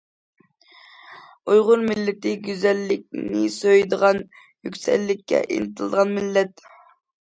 ئۇيغۇر مىللىتى گۈزەللىكنى سۆيىدىغان، يۈكسەكلىككە ئىنتىلىدىغان مىللەت.